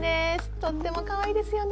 とってもかわいいですよね。